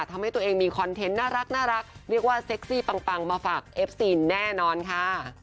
ทำให้ตัวเองมีคอนเทนต์น่ารักเรียกว่าเซ็กซี่ปังมาฝากเอฟซีนแน่นอนค่ะ